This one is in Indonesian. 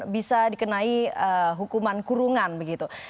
bisa dikenai hukuman kurungan begitu